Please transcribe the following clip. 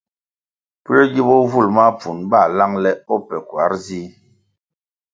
Puē gi bur bovul mapfunʼ ba lang le o pa kwar zih?